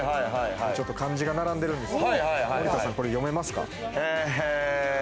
ちょっと漢字が並んでるんですけど、森田さんこれ読めますか？